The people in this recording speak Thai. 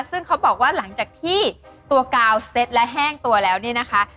ซึ่งเขาบอกว่าหลังจากที่ตัวกาวเซ็ตและแห้งตัวแล้วเนี่ยนะคะ